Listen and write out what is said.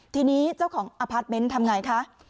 ทีนี้เจ้าของอพาร์ทเมนต์ทำไงคะ